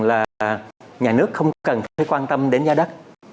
là nhà nước không cần phải quan tâm đến giá đất